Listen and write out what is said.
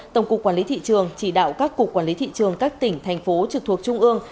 tổng cục quản lý thị trường chỉ đạo các cục quản lý thị trường các tỉnh thành phố trực thuộc trung ương